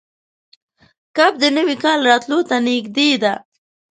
کب د نوي کال راتلو ته نږدې ده.